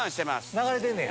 流れてんねや。